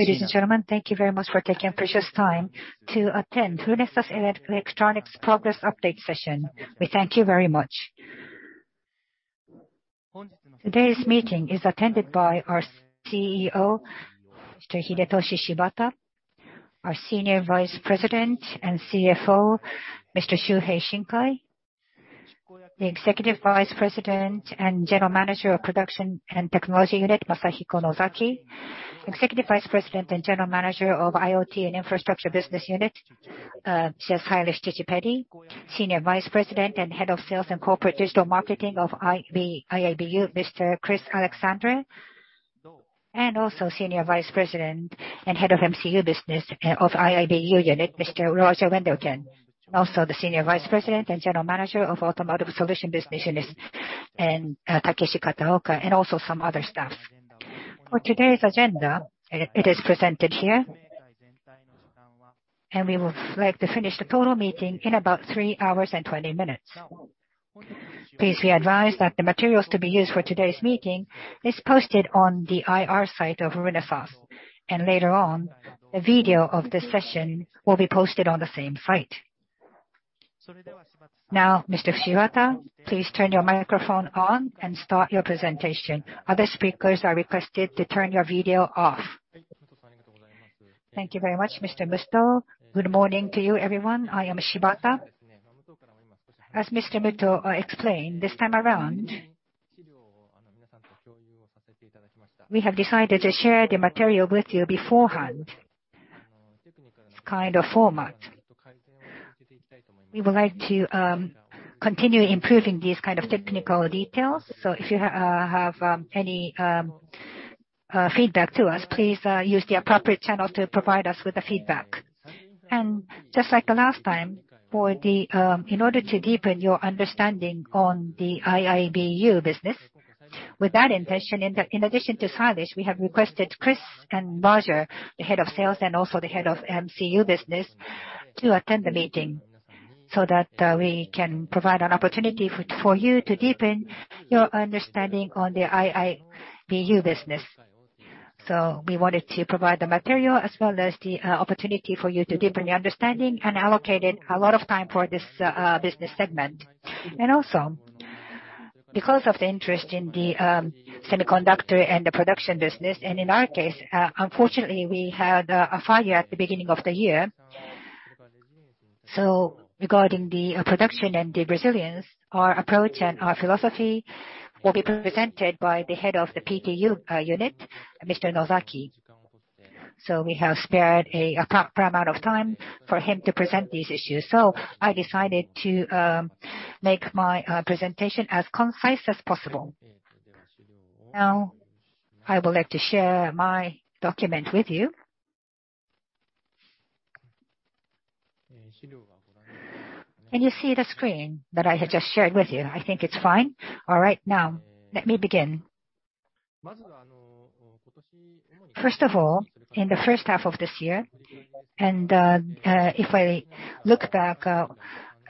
Ladies and gentlemen, thank you very much for taking precious time to attend Renesas Electronics progress update session. We thank you very much. Today's meeting is attended by our CEO, Mr. Hidetoshi Shibata, our Senior Vice President and CFO, Mr. Shuhei Shinkai, the Executive Vice President and General Manager of Production and Technology Unit, Masahiko Nozaki, Executive Vice President and General Manager of IoT and Infrastructure Business Unit, Sailesh Chittipeddi, Senior Vice President and Head of Sales and Corporate Digital Marketing of IIBU, Mr. Chris Allexandre, and also Senior Vice President and Head of MCU Business of IIBU Unit, Mr. Roger Wendelken, also the Senior Vice President and General Manager of Automotive Solution Business Unit, Takeshi Kataoka, and also some other staff. For today's agenda, it is presented here. We would like to finish the total meeting in about three hours and 20 minutes. Please be advised that the materials to be used for today's meeting is posted on the IR site of Renesas, and later on, a video of this session will be posted on the same site. Now, Mr. Shibata, please turn your microphone on and start your presentation. Other speakers are requested to turn your video off. Thank you very much, Mr. Muto. Good morning to you, everyone. I am Shibata. As Mr. Muto explained, this time around, we have decided to share the material with you beforehand this kind of format. We would like to continue improving these kind of technical details, so if you have any feedback to us, please use the appropriate channel to provide us with the feedback. Just like last time, in order to deepen your understanding on the IIBU business, with that intention, in addition to Sailesh, we have requested Chris and Roger, the Head of Sales and also the Head of MCU Business, to attend the meeting so that we can provide an opportunity for you to deepen your understanding on the IIBU business. We wanted to provide the material as well as the opportunity for you to deepen your understanding and allocated a lot of time for this business segment. Also, because of the interest in the semiconductor and the production business, and in our case, unfortunately, we had a fire at the beginning of the year. Regarding the production and the resilience, our approach and our philosophy will be presented by the head of the PTU unit, Mr. Nozaki. We have spared an appropriate amount of time for him to present these issues. I decided to make my presentation as concise as possible. Now, I would like to share my document with you. Can you see the screen that I have just shared with you? I think it's fine. All right, now, let me begin. First of all, in the first half of this year, and if I look back at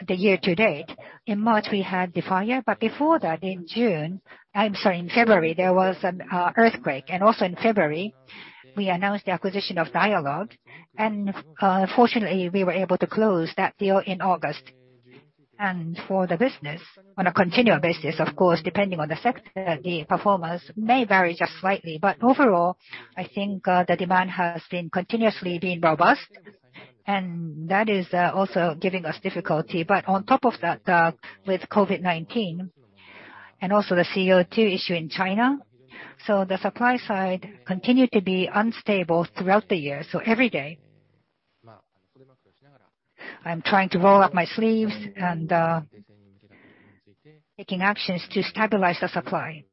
the year to date, in March, we had the fire, but before that, in February, there was an earthquake, and also in February, we announced the acquisition of Dialog. Fortunately, we were able to close that deal in August. For the business, on a continual basis, of course, depending on the performance, may vary just slightly. Overall, I think the demand has continuously been robust, and that is also giving us difficulty. On top of that, with COVID-19 and also the CO2 issue in China, the supply side continued to be unstable throughout the year. Every day, I'm trying to roll up my sleeves and taking actions to stabilize the supply.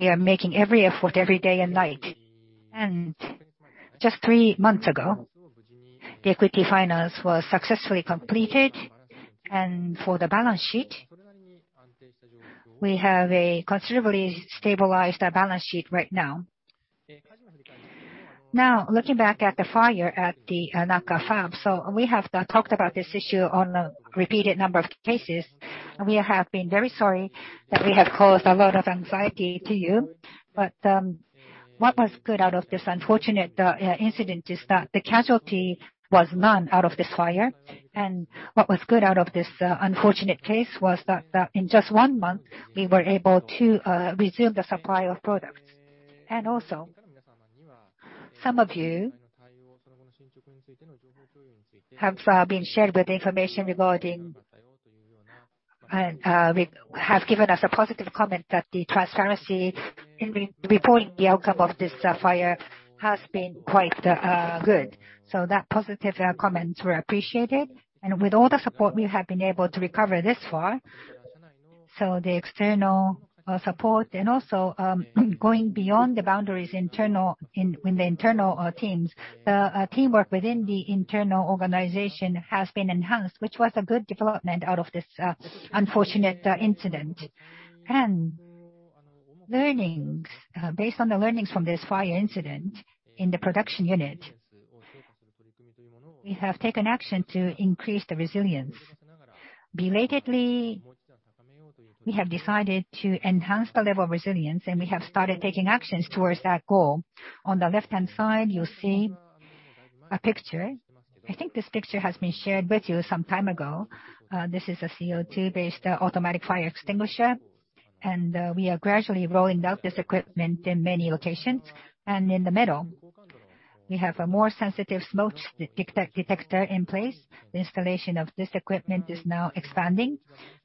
We are making every effort every day and night. Just three months ago, the equity finance was successfully completed, and for the balance sheet, we have considerably stabilized our balance sheet right now. Looking back at the fire at the Naka Fab. We have talked about this issue on a repeated number of cases. We have been very sorry that we have caused a lot of anxiety to you, but what was good out of this unfortunate incident is that the casualty was none out of this fire. What was good out of this unfortunate case was that in just one month, we were able to resume the supply of products. Also, some of you have been shared with information regarding, and have given us a positive comment that the transparency in reporting the outcome of this fire has been quite good. Those positive comments were appreciated, and with all the support, we have been able to recover this far. The external support and also going beyond the boundaries in the internal teams, the teamwork within the internal organization has been enhanced, which was a good development out of this unfortunate incident. Based on the learnings from this fire incident in the production unit. We have taken action to increase the resilience. Belatedly, we have decided to enhance the level of resilience, and we have started taking actions towards that goal. On the left-hand side, you'll see a picture. I think this picture has been shared with you some time ago. This is a CO2-based automatic fire extinguisher, and we are gradually rolling out this equipment in many locations. In the middle, we have a more sensitive smoke detector in place. The installation of this equipment is now expanding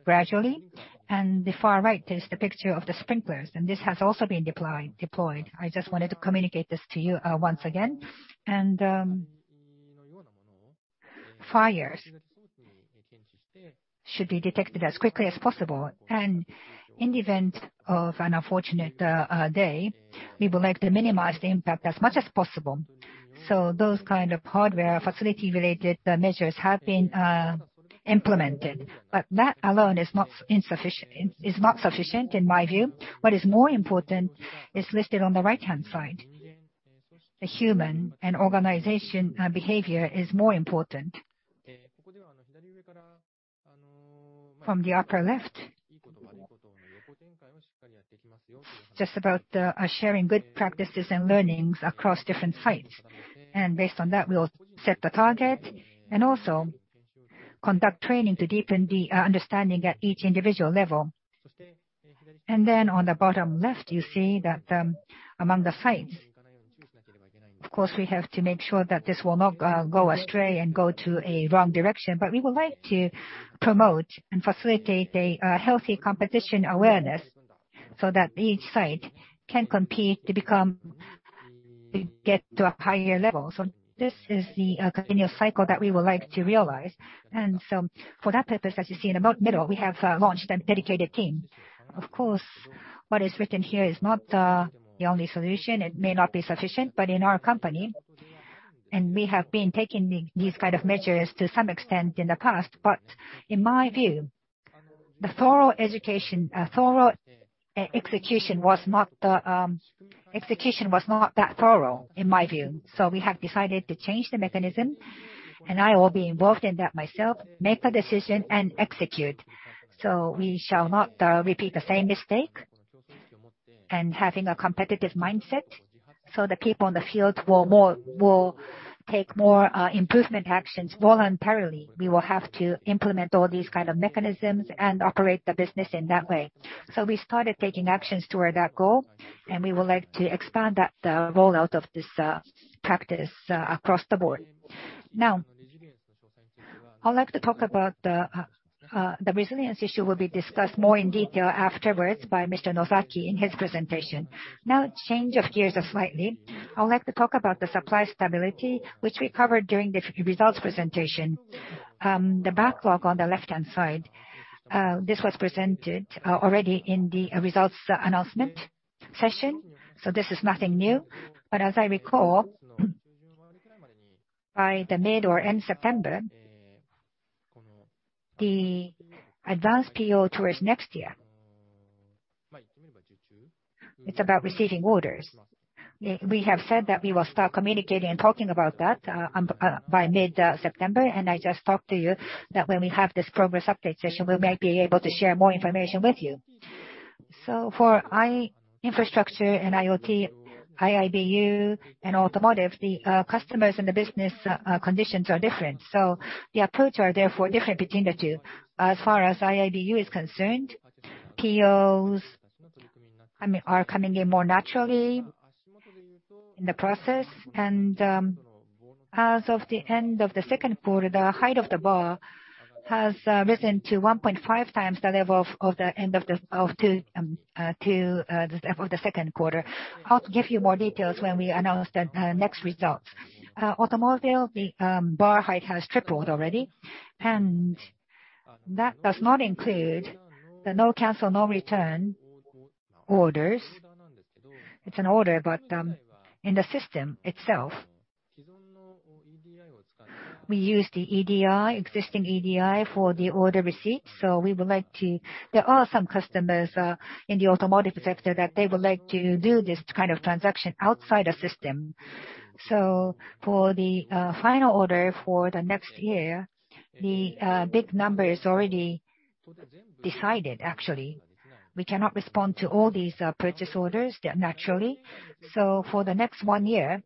gradually. The far right is the picture of the sprinklers, and this has also been deployed. I just wanted to communicate this to you once again. Fires should be detected as quickly as possible. In the event of an unfortunate day, we would like to minimize the impact as much as possible. Those kinds of hardware facility-related measures have been implemented. That alone is not sufficient, in my view. What is more important is listed on the right-hand side. The human and organization behavior is more important. From the upper left, just about sharing good practices and learnings across different sites. Based on that, we'll set the target and also conduct training to deepen the understanding at each individual level. Then on the bottom left, you see that among the sites, of course, we have to make sure that this will not go astray and go to a wrong direction. We would like to promote and facilitate a healthy competition awareness so that each site can compete to get to a higher level. This is the continuous cycle that we would like to realize. For that purpose, as you see in the middle, we have launched a dedicated team. Of course, what is written here is not the only solution. It may not be sufficient, but in our company, and we have been taking these kind of measures to some extent in the past. In my view, the thorough education, thorough execution was not that thorough, in my view. We have decided to change the mechanism, and I will be involved in that myself, make a decision and execute. We shall not repeat the same mistake, and having a competitive mindset so the people in the field will take more improvement actions voluntarily. We will have to implement all these kind of mechanisms and operate the business in that way. We started taking actions toward that goal, and we would like to expand that rollout of this practice across the board. Now, I'd like to talk about the resilience issue, will be discussed more in detail afterwards by Mr. Nozaki in his presentation. Now, change of gears slightly. I would like to talk about the supply stability, which we covered during the results presentation. The backlog on the left-hand side, this was presented already in the results announcement session. This is nothing new. As I recall, by the mid or end September, the advanced PO towards next year, it's about receiving orders. We have said that we will start communicating and talking about that by mid-September. I just talked to you that when we have this progress update session, we might be able to share more information with you. For infrastructure and IoT, IIBU, and automotive, the customers and the business conditions are different. The approach are therefore different between the two. As far as IIBU is concerned, POs are coming in more naturally in the process. As of the end of the second quarter, the height of the bar has risen to 1.5 times the level of the end of the second quarter. I will give you more details when we announce the next results. Automotive, the bar height has tripled already, and that does not include the no cancel, no return orders. It's an order, but in the system itself, we use the existing EDI for the order receipt. There are some customers in the automotive sector that they would like to do this kind of transaction outside a system. For the final order for the next year, the big number is already decided, actually. We cannot respond to all these purchase orders naturally. For the next one year,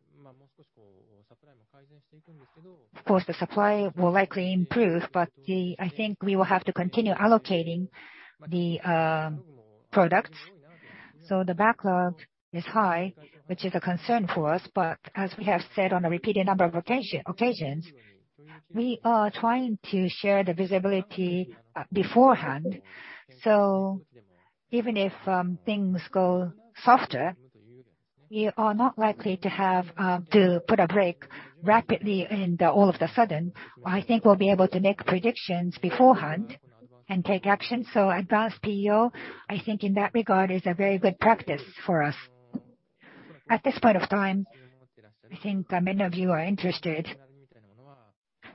of course, the supply will likely improve, but I think we will have to continue allocating the products. The backlog is high, which is a concern for us. As we have said on a repeated number of occasions, we are trying to share the visibility beforehand. Even if things go softer, we are not likely to put a brake rapidly and all of a sudden. I think we'll be able to make predictions beforehand and take action. Advanced PO, I think in that regard, is a very good practice for us. At this point of time, I think many of you are interested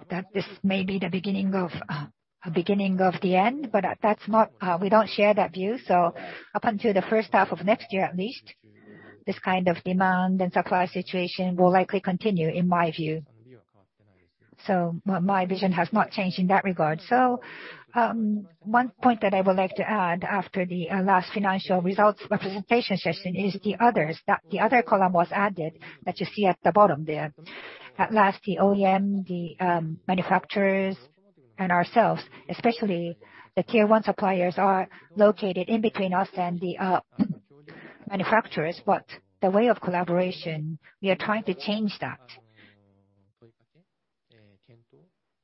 that this may be the beginning of the end, but we don't share that view. Up until the first half of next year at least, this kind of demand and supply situation will likely continue, in my view. My vision has not changed in that regard. One point that I would like to add after the last financial results representation session is the others. The other column was added that you see at the bottom there. At last, the OEM, the manufacturers, and ourselves, especially the Tier 1 suppliers, are located in between us and the manufacturers. The way of collaboration, we are trying to change that.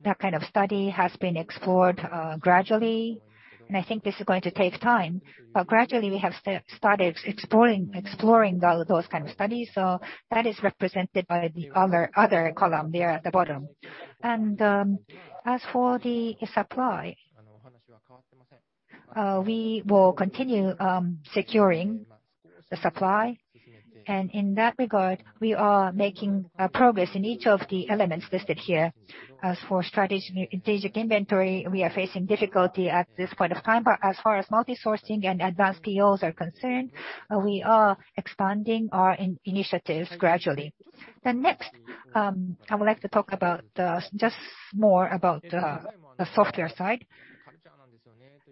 That kind of study has been explored gradually, and I think this is going to take time, but gradually we have started exploring those kind of studies. That is represented by the other column there at the bottom. As for the supply, we will continue securing the supply. In that regard, we are making progress in each of the elements listed here. As for strategic inventory, we are facing difficulty at this point of time. As far as multisourcing and advanced POs are concerned, we are expanding our initiatives gradually. Next, I would like to talk about just more about the software side.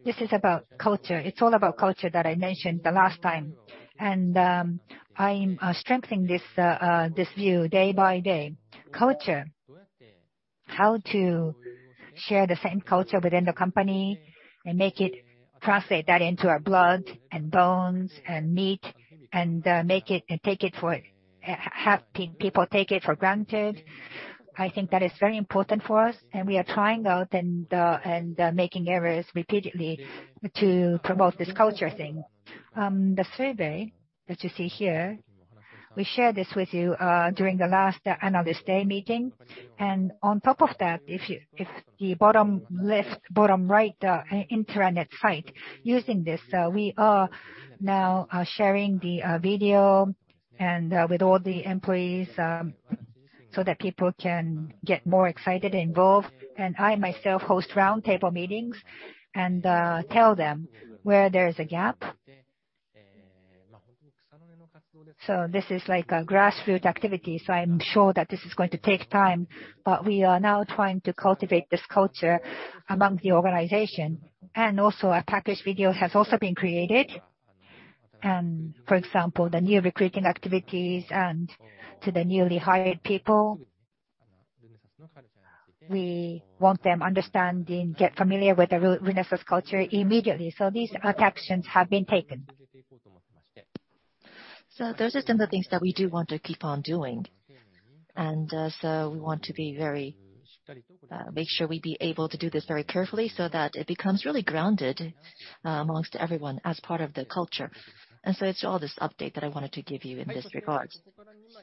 This is about culture. It's all about culture that I mentioned the last time, and I'm strengthening this view day by day. Culture, how to share the same culture within the company and make it translate that into our blood and bones and meat, and have people take it for granted. I think that is very important for us, and we are trying out and making errors repeatedly to promote this culture thing. The survey that you see here, we shared this with you during the last Analyst Day meeting. On top of that, if the bottom right, the intranet site, using this we are now sharing the video and with all the employees so that people can get more excited and involved. I myself host roundtable meetings and tell them where there is a gap. This is like a grassroots activity, so I'm sure that this is going to take time, but we are now trying to cultivate this culture among the organization. Also, a package video has also been created. For example, the new recruiting activities and to the newly hired people, we want them understanding, get familiar with the Renesas culture immediately. These actions have been taken. Those are some of the things that we do want to keep on doing. We want to make sure we be able to do this very carefully so that it becomes really grounded amongst everyone as part of the culture. It's all this update that I wanted to give you in this regard.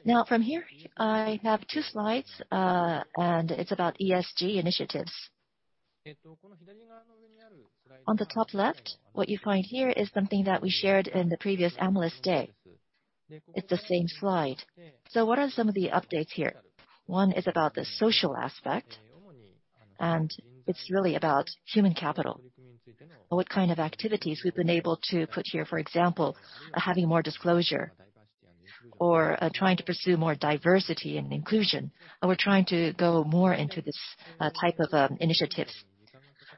Now from here, I have two slides, and it's about ESG initiatives. On the top left, what you find here is something that we shared in the previous Analyst Day. It's the same slide. What are some of the updates here? One is about the social aspect, and it's really about human capital and what kind of activities we've been able to put here. For example, having more disclosure or trying to pursue more diversity and inclusion, and we're trying to go more into this type of initiatives.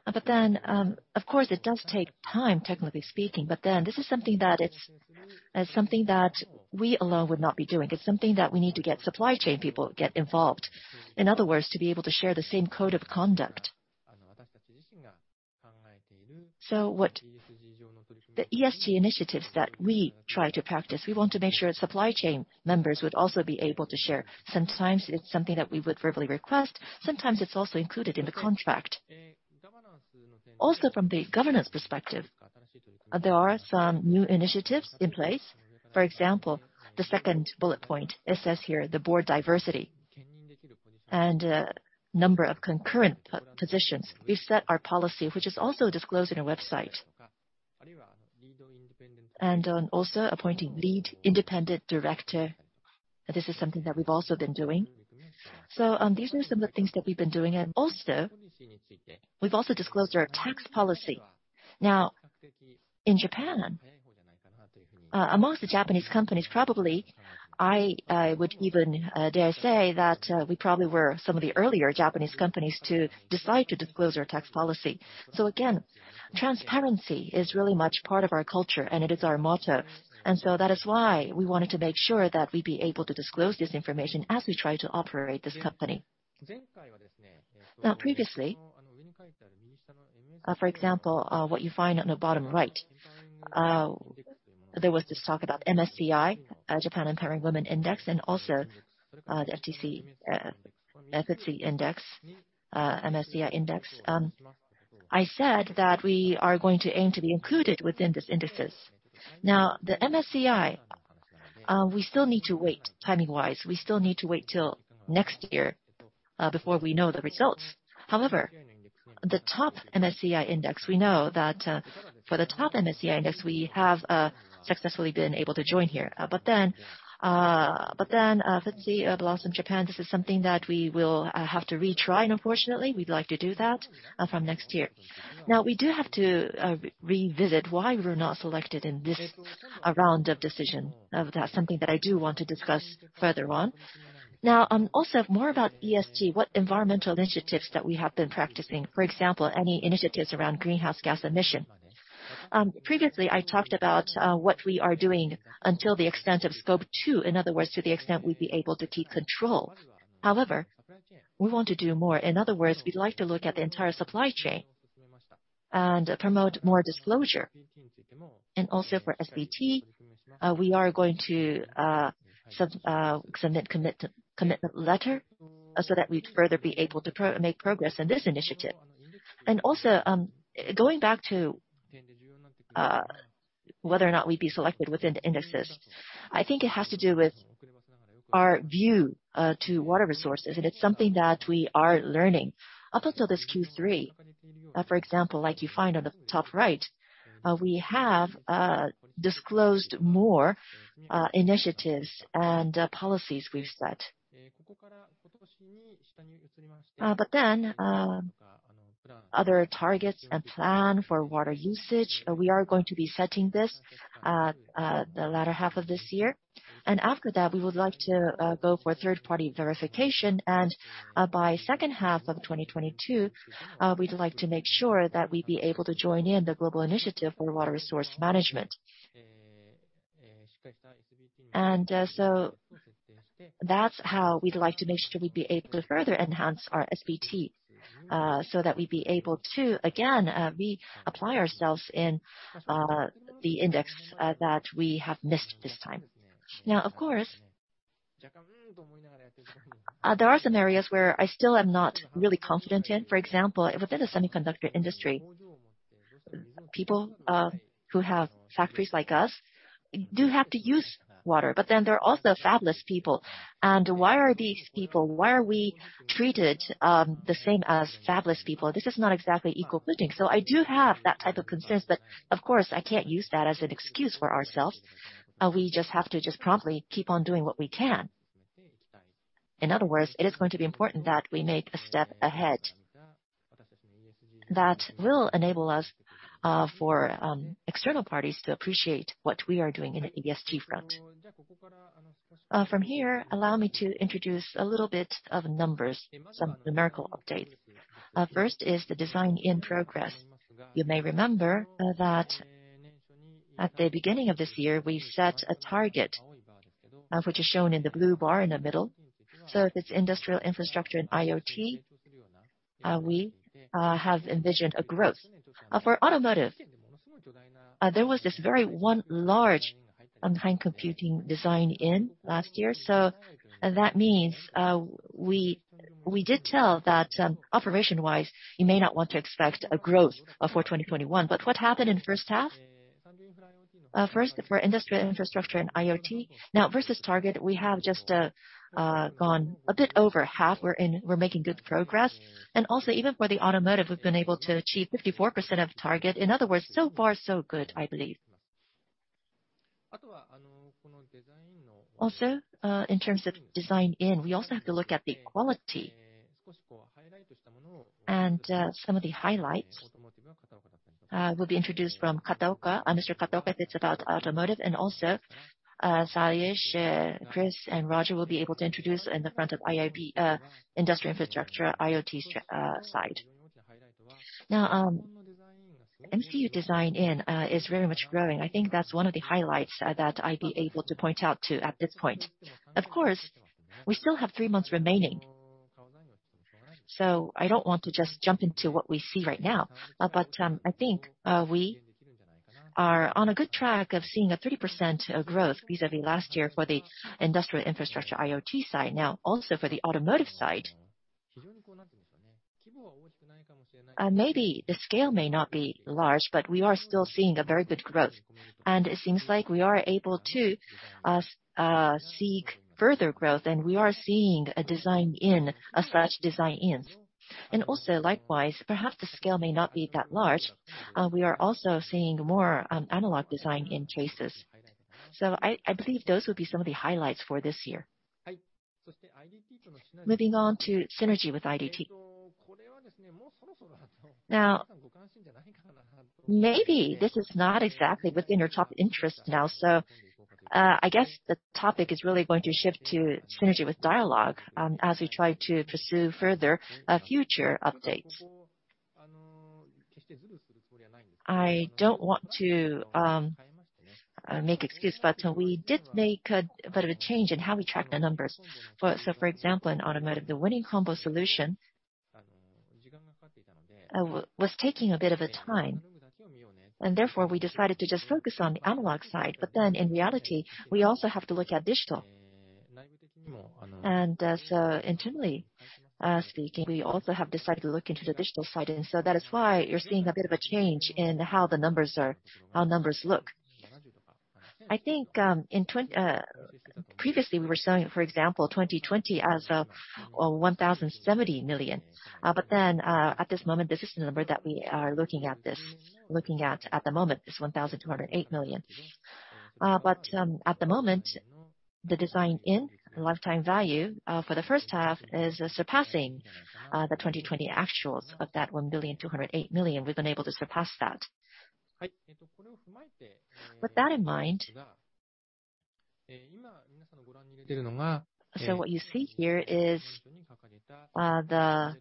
Of course, it does take time, technically speaking. This is something that we alone would not be doing. It's something that we need to get supply chain people get involved. In other words, to be able to share the same code of conduct. What the ESG initiatives that we try to practice, we want to make sure supply chain members would also be able to share. Sometimes it's something that we would verbally request. Sometimes it's also included in the contract. Also from the governance perspective, there are some new initiatives in place. For example, the second bullet point, it says here, the board diversity and number of concurrent positions. We set our policy, which is also disclosed in our website. Also appointing lead independent director, this is something that we've also been doing. These are some of the things that we've been doing. We've also disclosed our tax policy. In Japan, amongst the Japanese companies, probably I would even dare say that we probably were some of the earlier Japanese companies to decide to disclose our tax policy. Again, transparency is really much part of our culture, and it is our motto. That is why we wanted to make sure that we'd be able to disclose this information as we try to operate this company. Previously, for example, what you find on the bottom right, there was this talk about MSCI Japan Empowering Women Index, and also the FTSE Index, MSCI Index. I said that we are going to aim to be included within these indices. The MSCI, we still need to wait timing-wise. We still need to wait till next year before we know the results. However. The top MSCI index, we know that for the top MSCI index, we have successfully been able to join here. Let's see, Blossom Japan, this is something that we will have to retry, and unfortunately, we'd like to do that from next year. We do have to revisit why we were not selected in this round of decision. That's something that I do want to discuss further on. Also more about ESG, what environmental initiatives that we have been practicing. For example, any initiatives around greenhouse gas emission. Previously, I talked about what we are doing until the extent of Scope2. In other words, to the extent we'd be able to keep control. However, we want to do more. In other words, we'd like to look at the entire supply chain and promote more disclosure. For SBTi, we are going to submit commitment letter so that we'd further be able to make progress in this initiative. Going back to whether or not we'd be selected within the indexes. I think it has to do with our view to water resources, and it's something that we are learning. Up until this Q3, for example, like you find on the top right, we have disclosed more initiatives and policies we've set. Other targets and plan for water usage, we are going to be setting this the latter half of this year. After that, we would like to go for third-party verification. By second half of 2022, we'd like to make sure that we'd be able to join in the global initiative for water resource management. That's how we'd like to make sure we'd be able to further enhance our SBTi, so that we'd be able to, again, reapply ourselves in the index that we have missed this time. Of course, there are some areas where I still am not really confident in. For example, within the semiconductor industry, people who have factories like us do have to use water, but then there are also fabless people. Why are these people, why are we treated the same as fabless people? This is not exactly equal footing. I do have that type of concerns, but of course, I can't use that as an excuse for ourselves. We just have to promptly keep on doing what we can. In other words, it is going to be important that we make a step ahead that will enable us for external parties to appreciate what we are doing in the ESG front. From here, allow me to introduce a little bit of numbers, some numerical updates. First is the design-in progress. You may remember that at the beginning of this year, we set a target, which is shown in the blue bar in the middle. With this industrial, infrastructure, and IoT, we have envisioned a growth. For automotive, there was this very one large high-end computing design-in last year. That means we did tell that operation-wise, you may not want to expect a growth for 2021. What happened in first half? First, for industrial, infrastructure, and IoT, now versus target, we have just gone a bit over half. We are making good progress. Also even for the automotive, we've been able to achieve 54% of target. In other words, so far so good, I believe. Also, in terms of design-in, we also have to look at the quality. Some of the highlights will be introduced from Kataoka. Mr. Kataoka fits about automotive, and also, Sailesh, Chris, and Roger will be able to introduce in the front of IIBU, industrial, infrastructure, IoT side. Now, MCU design-in is very much growing. I think that's one of the highlights that I'd be able to point out too at this point. Of course, we still have three months remaining. I don't want to just jump into what we see right now. I think we are on a good track of seeing a 30% growth vis-à-vis last year for the industrial, infrastructure, IoT side. Also for the automotive side, maybe the scale may not be large, but we are still seeing a very good growth. It seems like we are able to seek further growth, and we are seeing a design-in/design-ins. Also likewise, perhaps the scale may not be that large, we are also seeing more analog design-in traces. I believe those would be some of the highlights for this year. Moving on to synergy with IDT. Maybe this is not exactly within your top interest now, so I guess the topic is really going to shift to synergy with Dialog as we try to pursue further future updates. I don't want to make excuse, but we did make a bit of a change in how we track the numbers. For example, in automotive, the winning combo solution was taking a bit of a time, and therefore we decided to just focus on the analog side. In reality, we also have to look at digital. Internally speaking, we also have decided to look into the digital side. That is why you're seeing a bit of a change in how numbers look. I think previously we were selling, for example, 2020 as 1,070 million. At this moment, this is the number that we are looking at at the moment, this 1,208 million. At the moment, the design-in lifetime value for the first half is surpassing the 2020 actuals of that 1.208 billion We've been able to surpass that. With that in mind, what you see here is the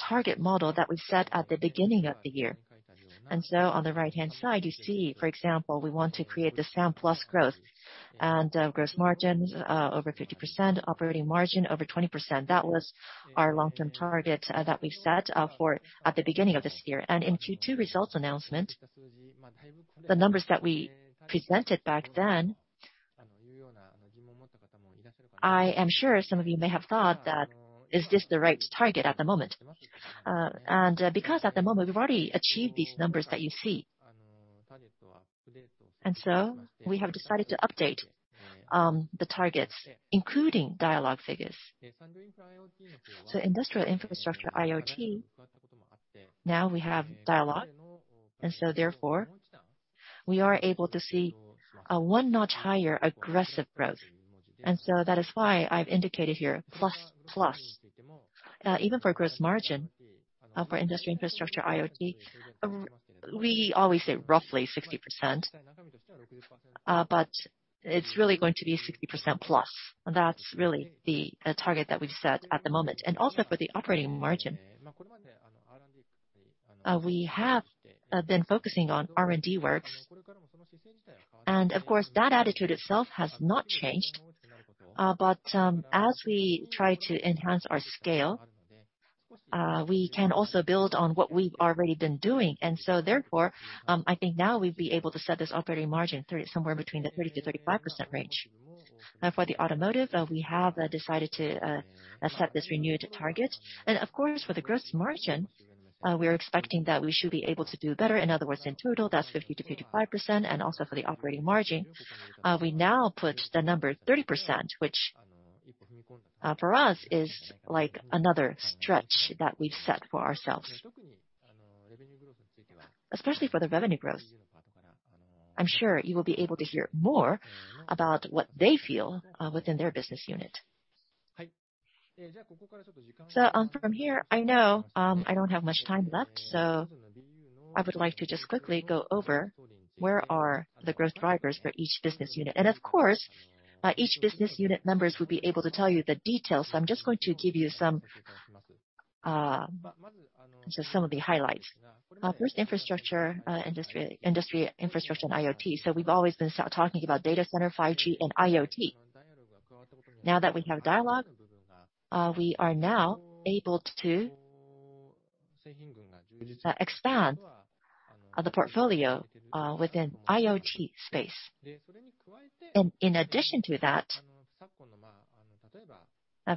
target model that we set at the beginning of the year. On the right-hand side, you see, for example, we want to create the sound plus growth and gross margins over 50%, operating margin over 20%. That was our long-term target that we set for at the beginning of this year. In Q2 results announcement, the numbers that we presented back then, I'm sure some of you may have thought, "Is this the right target at the moment?" Because at the moment we've already achieved these numbers that you see. We have decided to update the targets, including Dialog figures. Industrial, infrastructure, IoT, now we have Dialog, therefore, we are able to see a one-notch higher aggressive growth. That is why I've indicated here plus plus. Even for gross margin for industry, infrastructure, IoT, we always say roughly 60%, but it's really going to be 60%+. That's really the target that we've set at the moment. Also for the operating margin. We have been focusing on R&D works, and of course, that attitude itself has not changed. As we try to enhance our scale, we can also build on what we've already been doing. Therefore, I think now we'd be able to set this operating margin somewhere between the 30%-35% range. For the automotive, we have decided to set this renewed target. Of course, for the gross margin, we are expecting that we should be able to do better. In other words, in total, that's 50%-55%. Also for the operating margin, we now put the number 30%, which for us is like another stretch that we've set for ourselves, especially for the revenue growth. I'm sure you will be able to hear more about what they feel within their business unit. From here, I know I don't have much time left, so I would like to just quickly go over where are the growth drivers for each business unit. Of course, each business unit members would be able to tell you the details. I'm just going to give you some of the highlights. First, industry, infrastructure and IoT. We've always been talking about data center 5G and IoT. Now that we have Dialog, we are now able to expand the portfolio within IoT space. In addition to that,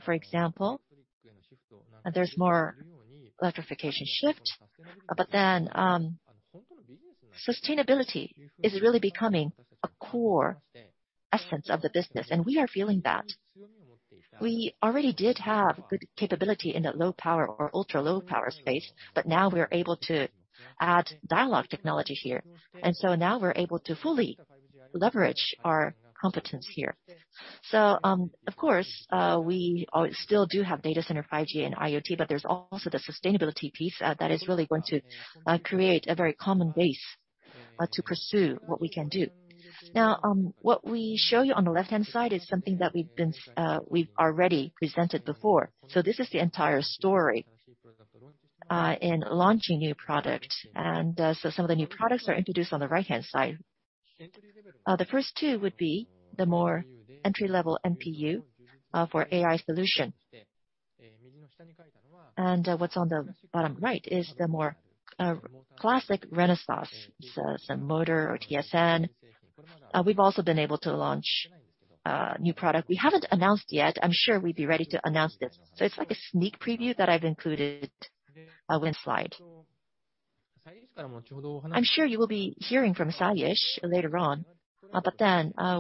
for example, there's more electrification shift, but then sustainability is really becoming a core essence of the business, and we are feeling that. We already did have good capability in the low power or ultra-low power space. Now we're able to add Dialog technology here. Now we're able to fully leverage our competence here. Of course, we still do have data center 5G and IoT, but there's also the sustainability piece that is really going to create a very common base to pursue what we can do. Now, what we show you on the left-hand side is something that we've already presented before. This is the entire story in launching new product. Some of the new products are introduced on the right-hand side. The first two would be the more entry-level MPU for AI solution. What's on the bottom right is the more classic Renesas, so some motor or TSN. We've also been able to launch a new product we haven't announced yet. I'm sure we'd be ready to announce this. It's like a sneak preview that I've included in the slide. I'm sure you will be hearing from Sailesh later on.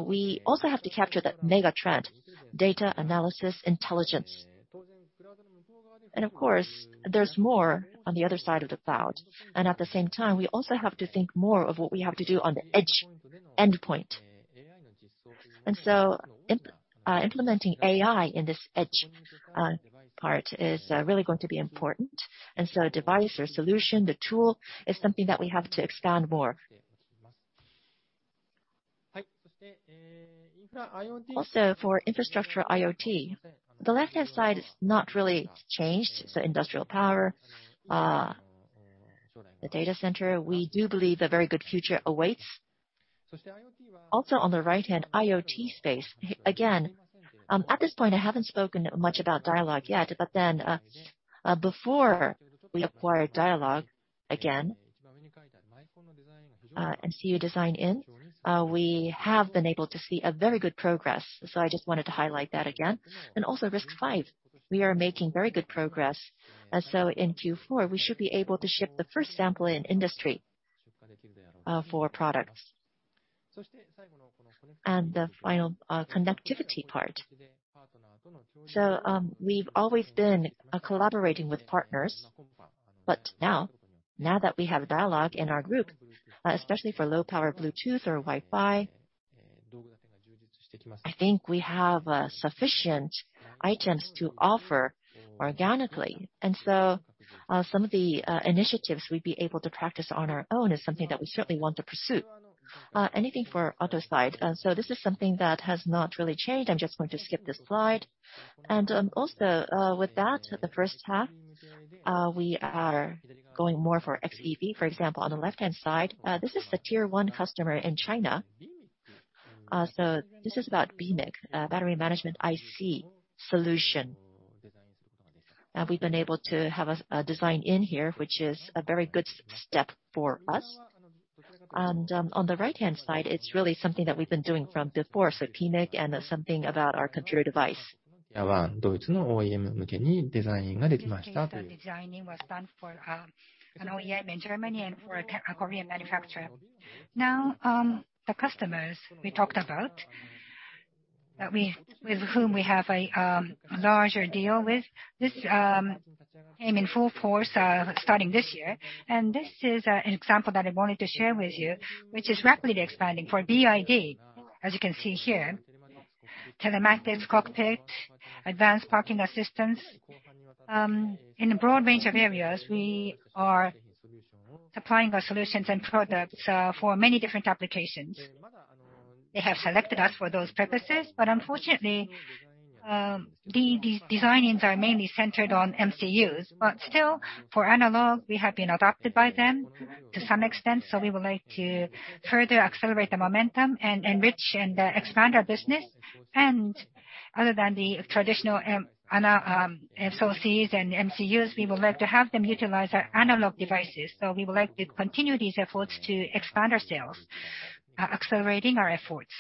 We also have to capture that mega trend, data analysis intelligence. Of course, there's more on the other side of the cloud. At the same time, we also have to think more of what we have to do on the edge endpoint. Implementing AI in this edge part is really going to be important. Device or solution, the tool is something that we have to expand more. Also, for infrastructure IoT, the left-hand side is not really changed. Industrial power, the data center, we do believe a very good future awaits. On the right-hand IoT space, again, at this point, I haven't spoken much about Dialog yet, but before we acquired Dialog, again, MCU design-in, we have been able to see a very good progress. I just wanted to highlight that again. Also RISC-V, we are making very good progress. In Q4, we should be able to ship the first sample in industry-first products. The final connectivity part. We've always been collaborating with partners. Now that we have Dialog in our group, especially for low power Bluetooth or Wi-Fi, I think we have sufficient items to offer organically. Some of the initiatives we'd be able to practice on our own is something that we certainly want to pursue. Anything for auto side, so this is something that has not really changed. I'm just going to skip this slide. Also, with that, the first half, we are going more for xEV, for example, on the left-hand side. This is the Tier 1 customer in China. This is about BMIC, battery management IC solution. We've been able to have a design-in here, which is a very good step for us. On the right-hand side, it's really something that we've been doing from before. PMIC and something about our computer device. In this case, the design-in was done for an OEM in Germany and for a Korean manufacturer. Now, the customers we talked about, with whom we have a larger deal with, this came in full force starting this year. This is an example that I wanted to share with you, which is rapidly expanding for BYD. As you can see here, telematics, cockpit, advanced parking assistance. In a broad range of areas, we are supplying our solutions and products for many different applications. They have selected us for those purposes, but unfortunately, these design-ins are mainly centered on MCUs. Still, for analog, we have been adopted by them to some extent, so we would like to further accelerate the momentum and enrich and expand our business. Other than the traditional SoCs and MCUs, we would like to have them utilize our analog devices. We would like to continue these efforts to expand our sales, accelerating our efforts.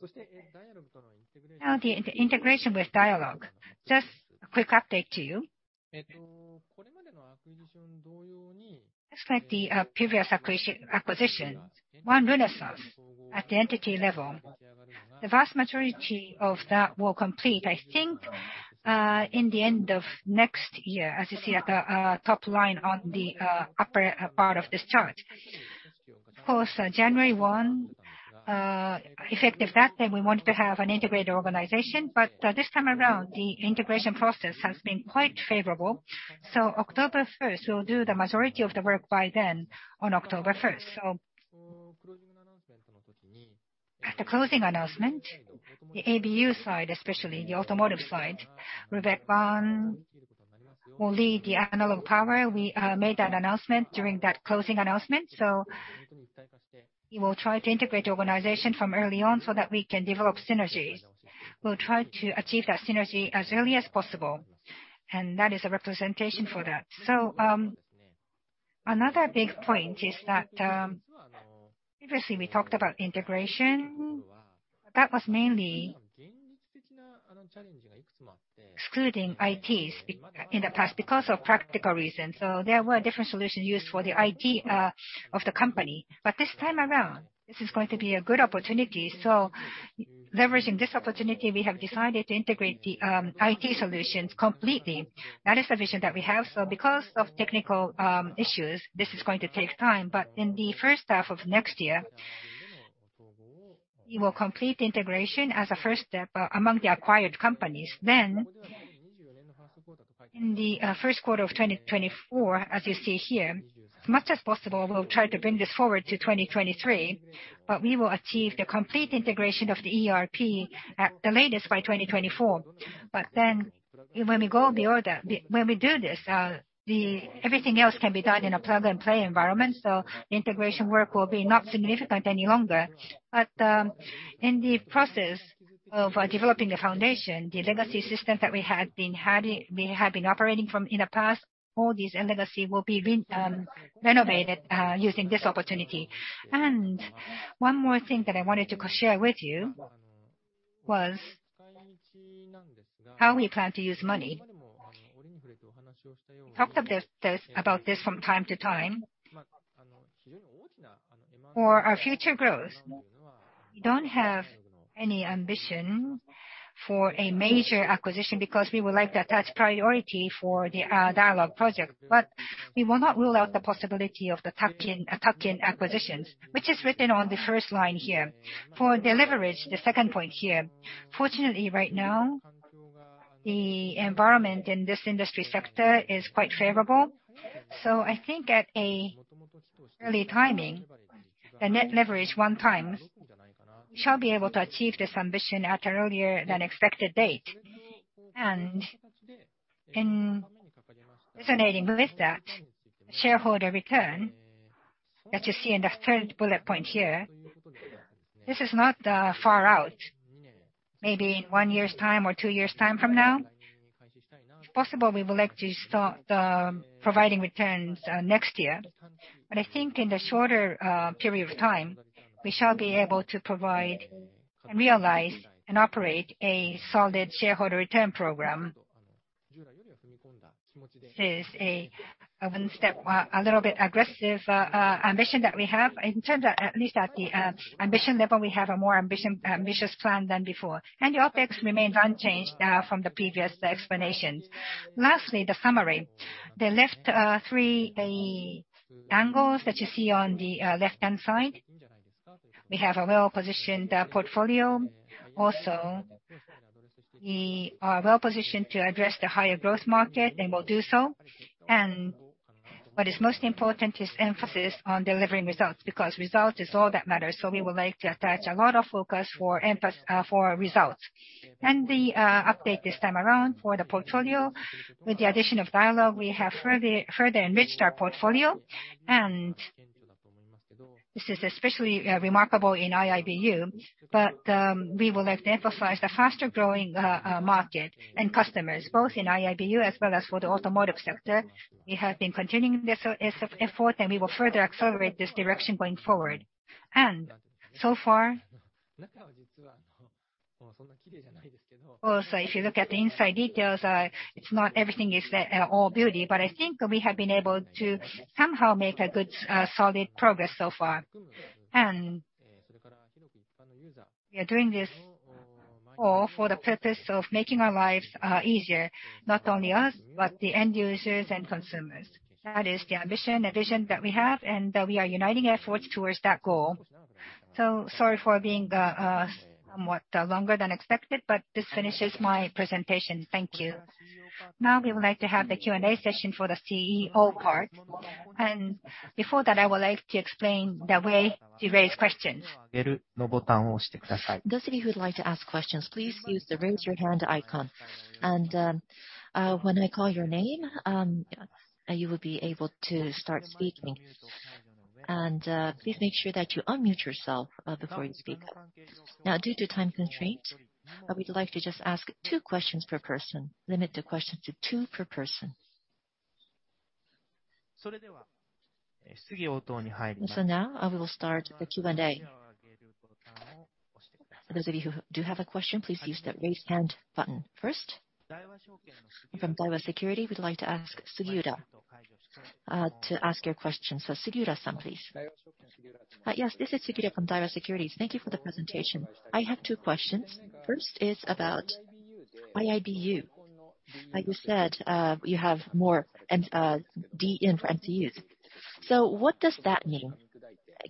The integration with Dialog. A quick update to you. Like the previous acquisition, One Renesas at the entity level, the vast majority of that will complete, I think, in the end of next year, as you see at the top line on the upper part of this chart. January 1, effective that day, we wanted to have an integrated organization, but this time around, the integration process has been quite favorable. October 1st, we'll do the majority of the work by then on October 1st. At the closing announcement, the ABU side especially, the automotive side, Vivek will lead the analog power. We made that announcement during that closing announcement. We will try to integrate the organization from early on so that we can develop synergies. We'll try to achieve that synergy as early as possible, and that is a representation for that. Another big point is that previously we talked about integration. That was mainly excluding IT in the past because of practical reasons. There were different solutions used for the IT of the company. This time around, this is going to be a good opportunity, so leveraging this opportunity, we have decided to integrate the IT solutions completely. That is the vision that we have. Because of technical issues, this is going to take time. In the first half of next year, we will complete integration as a first step among the acquired companies. In the first quarter of 2024, as you see here, as much as possible, we will try to bring this forward to 2023. We will achieve the complete integration of the ERP at the latest by 2024. When we do this, everything else can be done in a plug-and-play environment. The integration work will be not significant any longer. In the process of developing the foundation, the legacy system that we have been operating from in the past, all these in legacy will be renovated using this opportunity. One more thing that I wanted to share with you was how we plan to use money. We talked about this from time to time. For our future growth, we don't have any ambition for a major acquisition because we would like to attach priority for the Dialog project. We will not rule out the possibility of the tuck-in acquisitions, which is written on the first line here. For leverage, the second point here. Fortunately, right now, the environment in this industry sector is quite favorable. I think at an early timing, the net leverage 1x, we shall be able to achieve this ambition at earlier than expected date. In resonating with that, shareholder return that you see in the third bullet point here, this is not far out, maybe in one year's time or two years' time from now. If possible, we would like to start providing returns next year. I think in the shorter period of time, we shall be able to provide, realize, and operate a solid shareholder return program is a one step, a little bit aggressive ambition that we have. In terms of, at least at the ambition level, we have a more ambitious plan than before. The OpEx remains unchanged from the previous explanations. Lastly, the summary. The left three, the angles that you see on the left-hand side, we have a well-positioned portfolio. Also, we are well-positioned to address the higher growth market, and will do so. What is most important is emphasis on delivering results, because result is all that matters. We would like to attach a lot of focus for results. The update this time around for the portfolio. With the addition of Dialog, we have further enriched our portfolio, and this is especially remarkable in IIBU, but we will emphasize the faster-growing market and customers, both in IIBU as well as for the automotive sector. We have been continuing this effort, and we will further accelerate this direction going forward. So far, also, if you look at the inside details, it's not everything is all beauty, but I think we have been able to somehow make a good, solid progress so far. We are doing this all for the purpose of making our lives easier, not only us, but the end users and consumers. That is the ambition, the vision that we have, and we are uniting efforts towards that goal. Sorry for being somewhat longer than expected, but this finishes my presentation. Thank you. We would like to have the Q&A session for the CEO part. Before that, I would like to explain the way to raise questions. Those of you who'd like to ask questions, please use the raise your hand icon. When I call your name, you will be able to start speaking. Please make sure that you unmute yourself before you speak up. Now, due to time constraint, we'd like to just ask two questions per person, limit the questions to two per person. Now, I will start the Q&A. For those of you who do have a question, please use the raise hand button. First, from Daiwa Securities, we'd like to ask Sugiura to ask your question. Sugiura-san, please. Yes, this is Sugiura from Daiwa Securities. Thank you for the presentation. I have two questions. First is about IIBU. Like you said, you have more design-in for MCUs. What does that mean?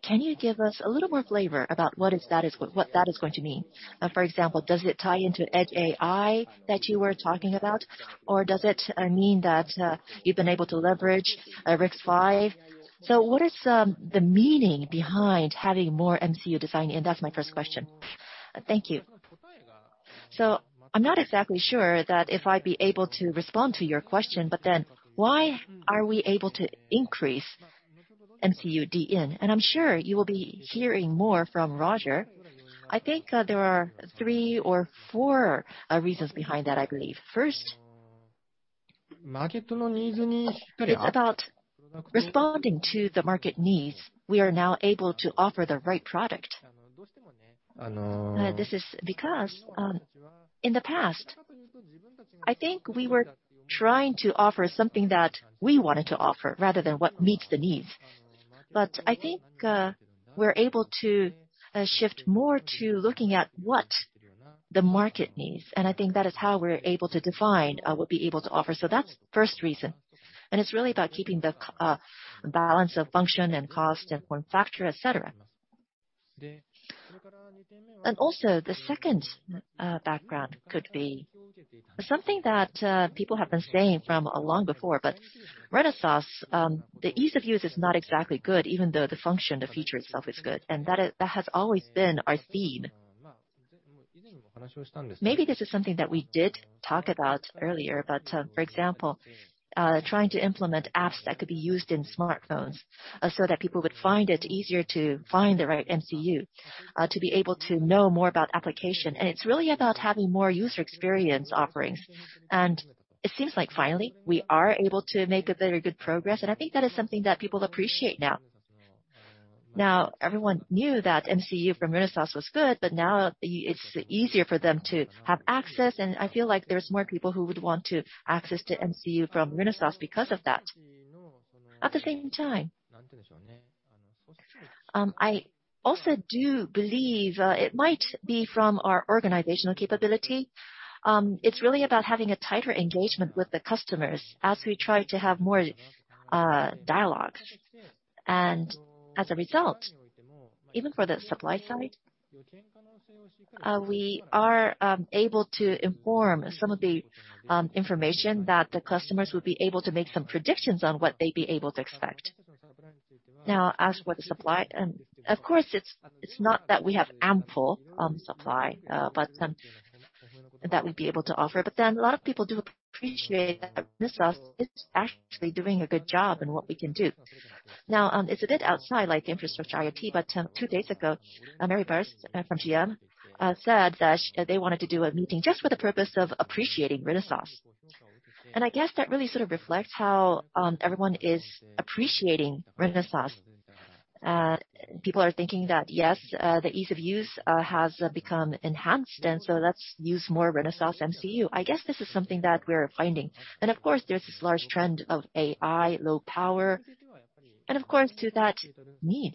Can you give us a little more flavor about what that is going to mean? For example, does it tie into edge AI that you were talking about, or does it mean that you've been able to leverage RISC-V? What is the meaning behind having more MCU design-in? That's my first question. Thank you. I'm not exactly sure that if I'd be able to respond to your question, why are we able to increase MCU design-in? I'm sure you will be hearing more from Roger. I think there are three or four reasons behind that, I believe. First, it's about responding to the market needs. We are now able to offer the right product. This is because, in the past, I think we were trying to offer something that we wanted to offer rather than what meets the needs. I think we're able to shift more to looking at what the market needs. I think that is how we're able to define what we'll be able to offer. That's first reason, and it's really about keeping the balance of function and cost and form factor, et cetera. Also, the second background could be something that people have been saying from long before, but Renesas, the ease of use is not exactly good, even though the function, the feature itself is good. That has always been our theme. Maybe this is something that we did talk about earlier, but for example, trying to implement apps that could be used in smartphones so that people would find it easier to find the right MCU, to be able to know more about application. It's really about having more user experience offerings. It seems like finally we are able to make a very good progress, and I think that is something that people appreciate now. Now, everyone knew that MCU from Renesas was good, but now it's easier for them to have access, and I feel like there's more people who would want to access the MCU from Renesas because of that. At the same time, I also do believe it might be from our organizational capability. It's really about having a tighter engagement with the customers as we try to have more dialogues. As a result, even for the supply side, we are able to inform some of the information that the customers would be able to make some predictions on what they'd be able to expect. Now, as for the supply, and of course, it's not that we have ample supply, but that we'd be able to offer. A lot of people do appreciate that Renesas is actually doing a good job in what we can do. It's a bit outside, like infrastructure IoT, but two days ago, Mary Barra from GM said that they wanted to do a meeting just for the purpose of appreciating Renesas. I guess that really reflects how everyone is appreciating Renesas. People are thinking that, yes, the ease of use has become enhanced, and so let's use more Renesas MCU. I guess this is something that we're finding. Of course, there's this large trend of AI, low power. Of course, to that need,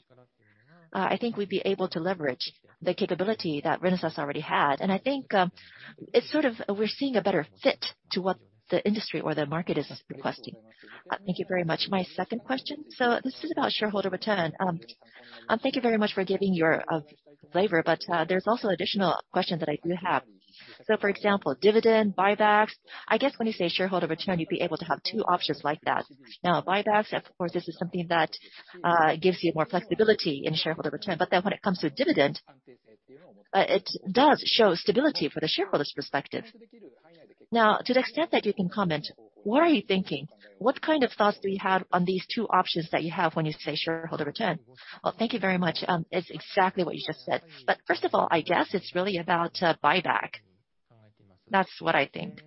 I think we'd be able to leverage the capability that Renesas already had. I think we're seeing a better fit to what the industry or the market is requesting. Thank you very much. My second question, so this is about shareholder return. Thank you very much for giving your flavor, but there's also additional questions that I do have. For example, dividend, buybacks. I guess when you say shareholder return, you'd be able to have two options like that. Now, buybacks, of course, this is something that gives you more flexibility in shareholder return. When it comes to dividend, it does show stability for the shareholder's perspective. To the extent that you can comment, what are you thinking? What kind of thoughts do you have on these two options that you have when you say shareholder return? Well, thank you very much. It's exactly what you just said. First of all, I guess it's really about buyback. That's what I think.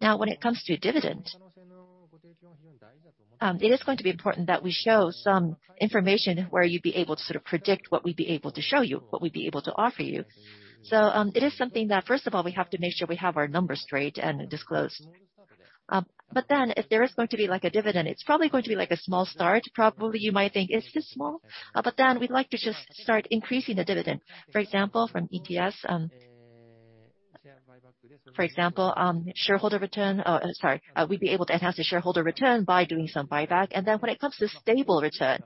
When it comes to dividend, it is going to be important that we show some information where you'd be able to predict what we'd be able to show you, what we'd be able to offer you. It is something that, first of all, we have to make sure we have our numbers straight and disclosed. If there is going to be a dividend, it's probably going to be a small start. Probably, you might think, "Is this small?" We'd like to just start increasing the dividend. For example, from ETS, for example, shareholder return, sorry, we'd be able to enhance the shareholder return by doing some buyback. When it comes to stable return,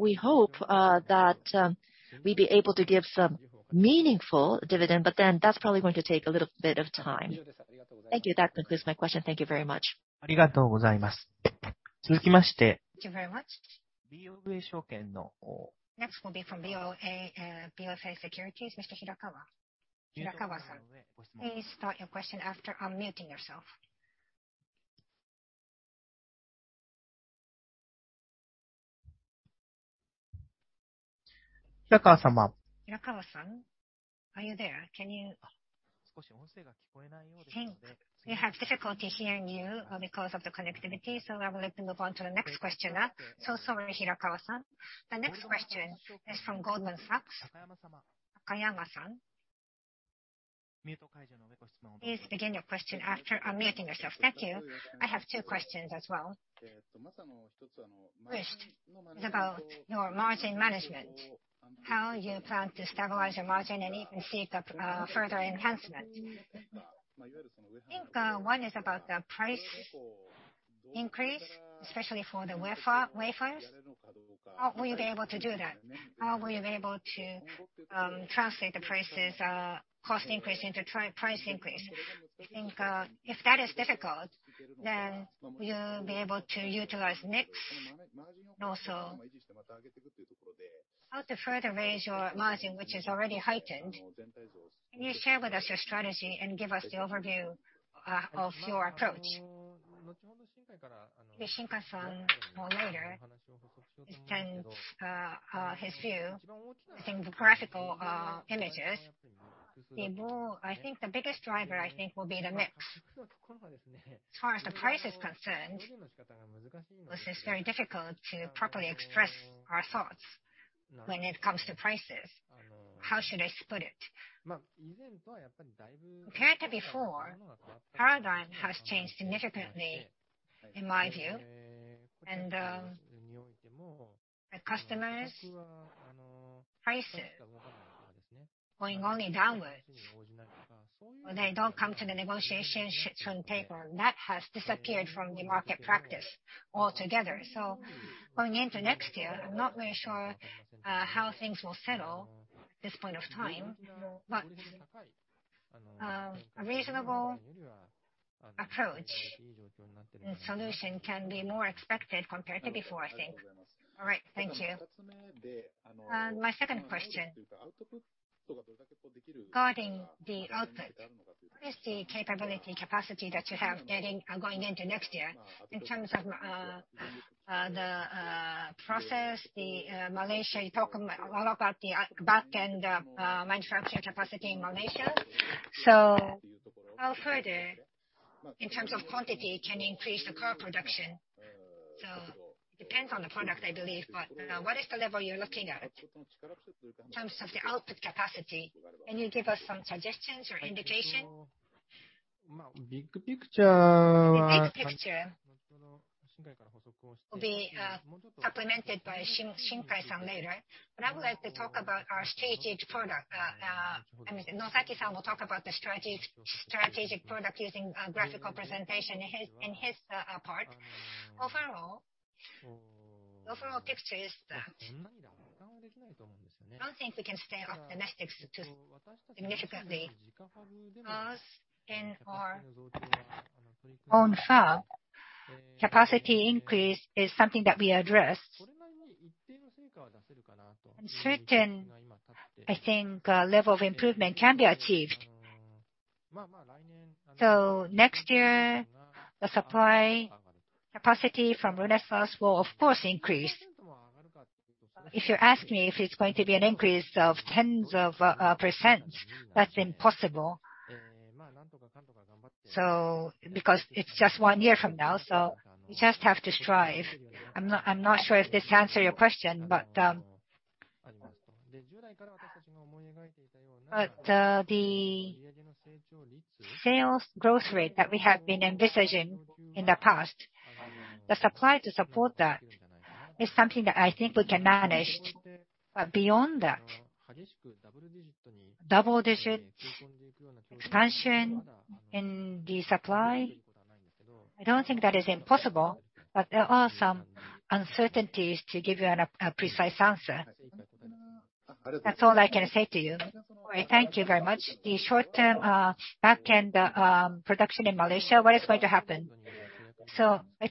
we hope that we'd be able to give some meaningful dividend, but then that's probably going to take a little bit of time. Thank you. That concludes my question. Thank you very much. Thank you very much. Next will be from BofA Securities, Mr. Hirakawa. Hirakawa-san, please start your question after unmuting yourself. Hirakawa-san, are you there? We have difficulty hearing you because of the connectivity, so I would like to move on to the next questioner. Sorry, Hirakawa-san. The next question is from Goldman Sachs, Takayama-san. Please begin your question after unmuting yourself. Thank you. I have two questions as well. First is about your margin management, how you plan to stabilize your margin and even seek a further enhancement. One is about the price increase, especially for the wafers. How will you be able to do that? How will you be able to translate the cost increase into price increase? If that is difficult, then will you be able to utilize mix? How to further raise your margin, which is already heightened. Can you share with us your strategy and give us the overview of your approach? Shinkai-san, later, extends his view, the graphical images, the biggest driver, will be the mix. As far as the price is concerned, this is very difficult to properly express our thoughts when it comes to prices. How should I split it? Compared to before, paradigm has changed significantly, in my view. The customers' prices going only downwards, or they don't come to the negotiation table, that has disappeared from the market practice altogether. Going into next year, I'm not really sure how things will settle at this point of time, but a reasonable approach and solution can be more expected compared to before, I think. All right. Thank you. My second question, regarding the output, what is the capability capacity that you have going into next year in terms of the process, Malaysia, you talk a lot about the back-end manufacturing capacity in Malaysia. How further, in terms of quantity, can you increase the car production? It depends on the product, I believe, but what is the level you're looking at in terms of the output capacity? Can you give us some suggestions or indication? The big picture will be supplemented by Shinkai later. I would like to talk about our strategic product. Nozaki will talk about the strategic product using a graphical presentation in his part. Overall picture is that I don't think we can stay optimistic significantly because in our own fab, capacity increase is something that we addressed. Certain, I think, level of improvement can be achieved. Next year, the supply capacity from Renesas will of course increase. If you ask me if it's going to be an increase of tens of percents, that's impossible. Because it's just one year from now, we just have to strive. I'm not sure if this answer your question, the sales growth rate that we have been envisaging in the past, the supply to support that is something that I think we can manage. Beyond that, double-digit expansion in the supply, I don't think that is impossible. There are some uncertainties to give you a precise answer. That's all I can say to you. Thank you very much. The short term back-end production in Malaysia, what is going to happen?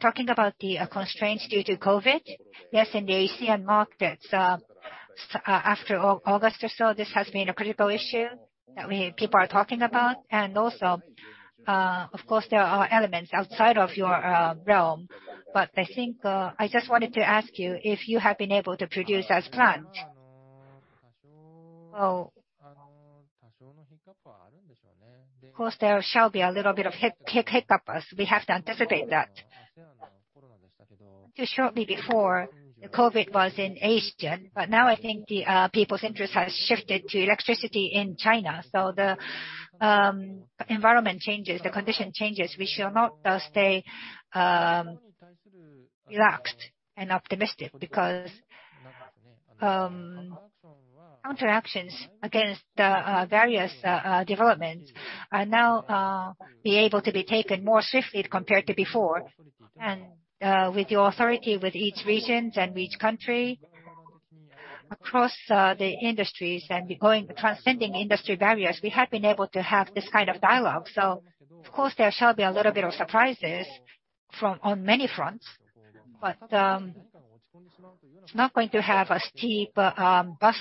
Talking about the constraints due to COVID. Yes, in the ASEAN markets, after August or so, this has been a critical issue that people are talking about. Of course, there are elements outside of your realm, but I think I just wanted to ask you if you have been able to produce as planned. Of course, there shall be a little bit of hiccup as we have to anticipate that. Just shortly before, the COVID was in Asia. Now I think the people's interest has shifted to electricity in China. The environment changes, the condition changes. We shall not stay relaxed and optimistic because counteractions against the various developments are now be able to be taken more swiftly compared to before. With the authority with each regions and each country across the industries and transcending industry barriers, we have been able to have this kind of dialogue. Of course, there shall be a little bit of surprises on many fronts. It's not going to have a steep bathtub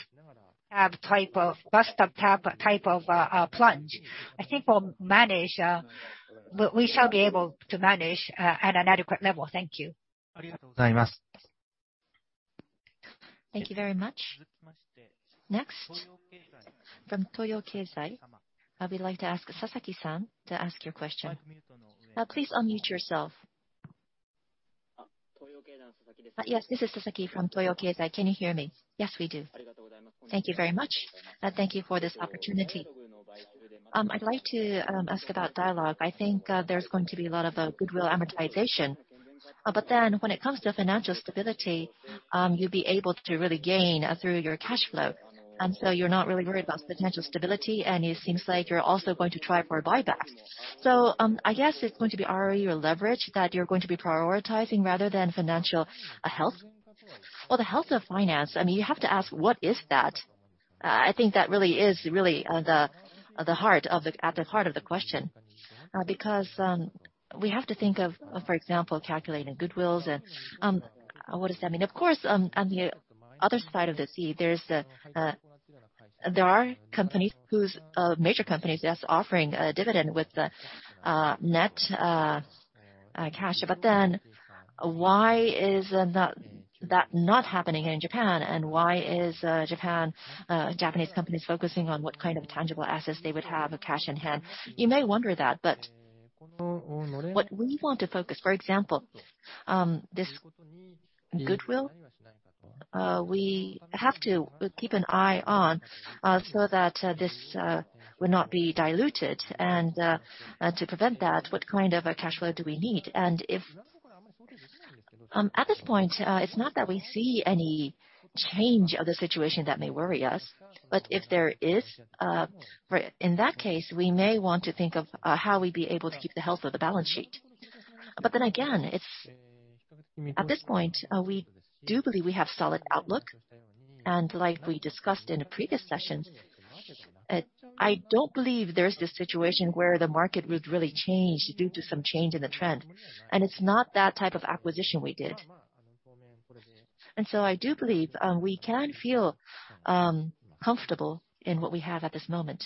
type of plunge. I think we shall be able to manage at an adequate level. Thank you. Thank you very much. Next from Toyo Keizai, I would like to ask Sasaki-san to ask your question. Please unmute yourself. This is Sasaki from Toyo Keizai. Can you hear me? We do. Thank you very much. Thank you for this opportunity. I'd like to ask about Dialog. I think there's going to be a lot of goodwill amortization. When it comes to financial stability, you'll be able to really gain through your cash flow. You're not really worried about potential stability, and it seems like you're also going to try for a buyback. I guess it's going to be ROE or leverage that you're going to be prioritizing rather than financial health. Well, the health of finance, I mean, you have to ask, what is that? I think that really is at the heart of the question. We have to think of, for example, calculating goodwills and what does that mean? Of course, on the other side of the sea, there are major companies that's offering a dividend with net cash. Why is that not happening in Japan, and why is Japanese companies focusing on what kind of tangible assets they would have of cash in hand? You may wonder that, what we want to focus, for example, this goodwill, we have to keep an eye on, so that this will not be diluted. To prevent that, what kind of a cash flow do we need? At this point, it's not that we see any change of the situation that may worry us. If there is, in that case, we may want to think of how we'd be able to keep the health of the balance sheet. Then again, at this point, we do believe we have solid outlook. Like we discussed in a previous session, I don't believe there's this situation where the market would really change due to some change in the trend, and it's not that type of acquisition we did. I do believe we can feel comfortable in what we have at this moment.